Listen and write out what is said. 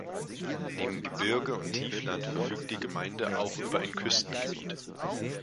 Neben Gebirge und Tiefland verfügt die Gemeinde auch über ein Küstengebiet.